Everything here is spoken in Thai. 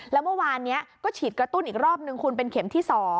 แล้วเมื่อวานนี้ก็ฉีดกระตุ้นอีกรอบนึงคุณเป็นเข็มที่๒